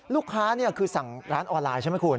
ลูกค้าคือสั่งร้านออนไลน์ใช่ไหมคุณ